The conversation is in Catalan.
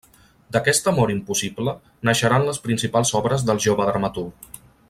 D'aquest amor impossible naixeran les principals obres del jove dramaturg.